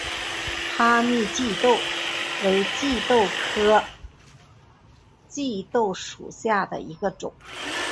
哈密棘豆为豆科棘豆属下的一个种。